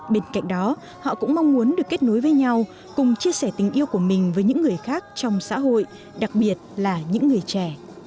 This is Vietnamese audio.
bên cạnh đó họ cũng mong muốn được kết nối với nhau cùng chia sẻ tình yêu của mình với những người khác trong xã hội đặc biệt là những người trẻ